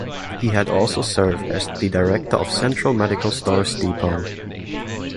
He had also served as the Director of Central Medical Stores Depot.